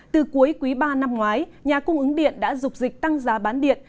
từ cuối quý ba năm ngoái nhà cung ứng điện đã dục dịch tăng giá bán điện